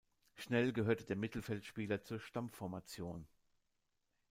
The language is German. Schnell gehörte der Mittelfeldspieler zur Stammformation.